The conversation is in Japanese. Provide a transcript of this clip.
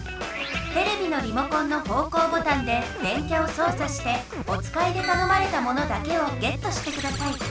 テレビのリモコンの方向ボタンで電キャをそうさしておつかいでたのまれたものだけをゲットしてください。